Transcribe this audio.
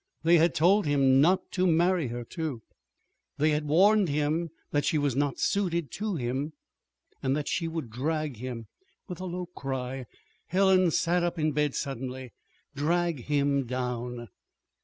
They had told him not to marry her, too. They had warned him that she was not suited to him, that she would drag him With a low cry Helen sat up in bed suddenly. "_Drag him down!